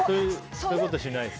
そういうことはしないです。